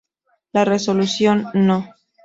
La Resolución No.